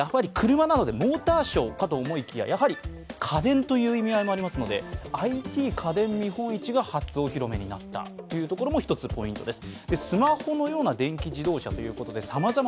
車なのでモーターショーなのかと思いますが家電という意味合いもありますので、ＩＴ家電見本市が初お披露目になったところもポイントです。